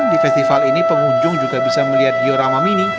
di festival ini pengunjung juga bisa melihat diorama mini